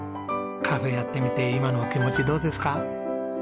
カフェやってみて今のお気持ちどうですか？